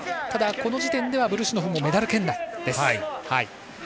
ただ、この時点ではブルシュノフもメダル圏内です。